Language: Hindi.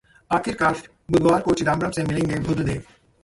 आखिरकार बुधवार को चिदंबरम से मिलेंगे बुद्धदेव